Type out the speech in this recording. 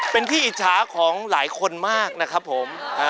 เป็นที่อิจฉาของหลายคนมากนะครับผม